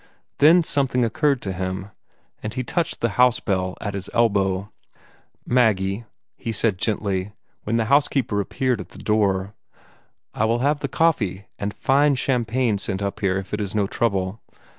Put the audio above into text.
Then something occurred to him, and he touched the house bell at his elbow. "Maggie," he said gently, when the housekeeper appeared at the door, "I will have the coffee and FINE CHAMPAGNE up here, if it is no trouble.